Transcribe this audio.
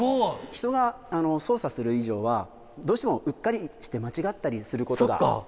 人が操作する以上はどうしてもうっかりして間違ったりすることがあるので。